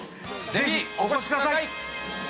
ぜひお越しください！